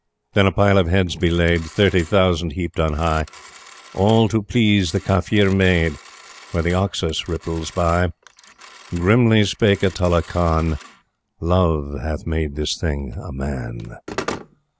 Then a pile of heads be laid Thirty thousand heaped on high All to please the Kafir maid, Where the Oxus ripples by. Grimly spake Atulla Khan: "Love hath made this thing a Man."